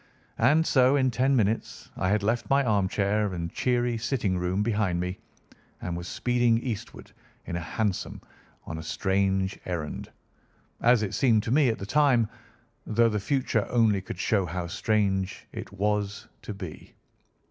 And so in ten minutes I had left my armchair and cheery sitting room behind me, and was speeding eastward in a hansom on a strange errand, as it seemed to me at the time, though the future only could show how strange it was to be.